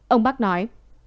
ông bắc nói